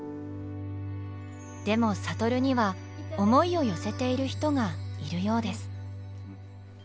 でも智には思いを寄せている人がいるようです。